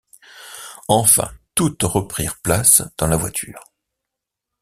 Enfin, toutes reprirent place dans la voiture.